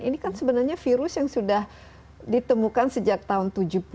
ini kan sebenarnya virus yang sudah ditemukan sejak tahun tujuh puluh